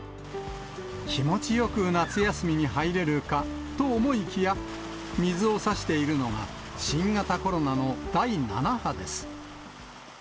気持ちよく夏休みに入れるかと思いきや、水をさしているのが、新型コロナの第７波です。